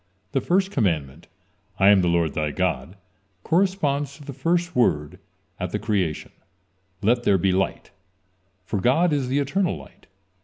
The first commandment: "I am the Lord, thy God," corresponds to the first word at the creation: "Let there be light," for God is the eternal light.